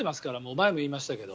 前も言いましたけど。